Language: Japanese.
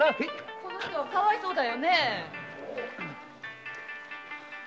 この人がかわいそうだよ。